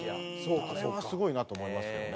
あれはすごいなと思いますけどね。